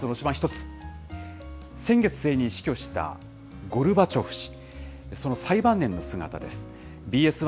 １つ、先月末に死去したゴルバチョフ氏、その最晩年の姿です。